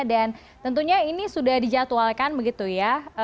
dan tentunya ini sudah dijadwalkan begitu ya